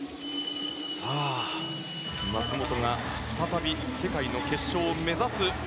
松元が再び世界の決勝を目指す。